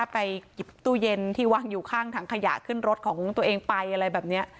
ไปหยิบตู้เย็นที่วางอยู่ข้างถังขยะขึ้นรถของตัวเองไปอะไรแบบนี้